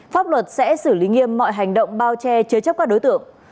pháp luật sẽ xử lý nghiêm mọi hành động bao che chứa chấp các đối tượng